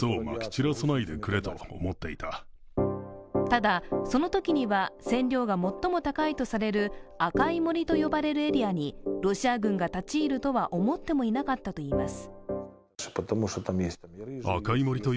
ただ、そのときには線量が最も高いとされる赤い森と呼ばれるエリアにロシア軍が立ち入るとは思ってもいなかったといいます。